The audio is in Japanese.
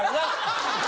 ハハハ。